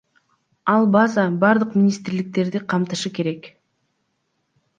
Ал база бардык министрликтерди камтышы керек.